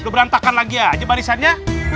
udah berantakan lagi aja barisannya